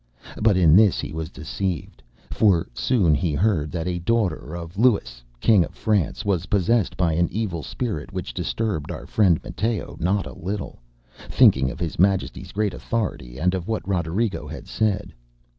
But in this he was deceived; for he soon heard that a daughter of Louis, king of France, was possessed by an evil spirit, which disturbed our friend Matteo not a little, thinking of his majestyŌĆÖs great authority and of what Roderigo had said.